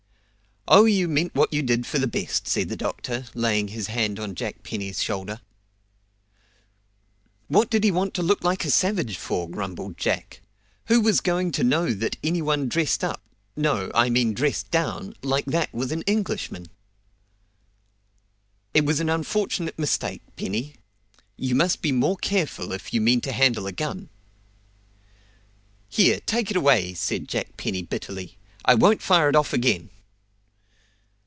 "Oh, you meant what you did for the best!" said the doctor, laying his hand on Jack Penny's shoulder. "What did he want to look like a savage for?" grumbled Jack. "Who was going to know that any one dressed up no, I mean dressed down like that was an Englishman?" "It was an unfortunate mistake, Penny; you must be more careful if you mean to handle a gun." "Here, take it away!" said Jack Penny bitterly. "I won't fire it off again."